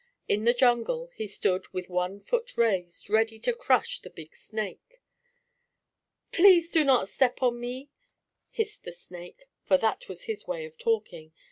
In the jungle he stood, with one foot raised, ready to crush the big snake. "Please do not step on me!" hissed the snake, for that was his way of talking.